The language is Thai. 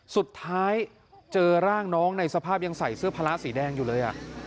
สุดท้ายเจอร่างน้องในสภาพยังใส่เสื้อพละสีแดงอยู่เลย